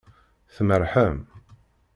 Tmerrḥem.